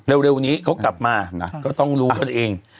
เร็วนี้เขากลับมาก็ต้องรู้กันเอง